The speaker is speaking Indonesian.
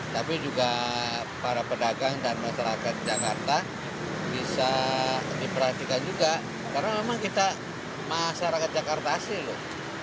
tapi juga para pedagang dan masyarakat jakarta bisa diperhatikan juga karena memang kita masyarakat jakarta asli loh